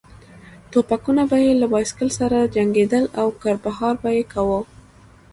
ټوپکونه به یې له بایسکل سره جنګېدل او کړپهار به یې کاوه.